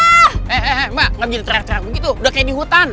eh eh eh mbak gak bisa teriak teriak begitu udah kayak di hutan